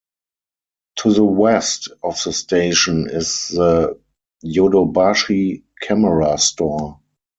To the west of the station is the Yodobashi Camera store.